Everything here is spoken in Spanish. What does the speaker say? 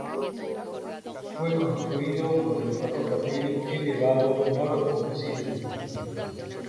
Fue construido por el Ferrocarril Elevado Noroccidental.